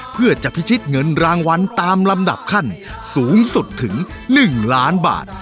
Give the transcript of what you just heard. เพื่อจะพิชิตเงินรางวัลตามลำดับขั้นสูงสุดถึง๑ล้านบาท